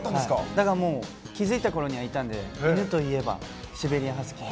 だからもう、気付いたころにはいたんで犬といえばシベリアンハスキー。